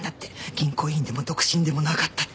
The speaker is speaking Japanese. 銀行員でも独身でもなかったって。